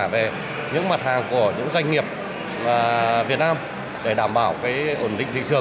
về những mặt hàng của những doanh nghiệp việt nam để đảm bảo ổn định thị trường